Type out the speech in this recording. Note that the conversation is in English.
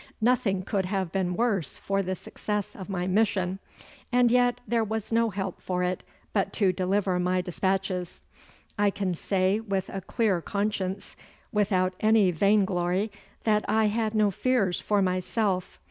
Nothing could have been worse for the success of my mission, and yet there was no help for it but to deliver my despatches. I can say with a clear conscience, without any vainglory, that I had no fears for myself.